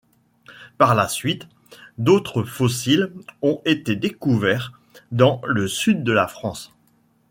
Par la suite, d'autres fossiles ont été découverts dans le sud de la France.